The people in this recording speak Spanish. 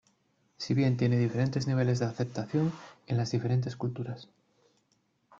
Si bien tiene diferentes niveles de aceptación en las diferentes culturas.